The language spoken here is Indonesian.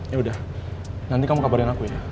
ya udah nanti kamu kabarin aku ini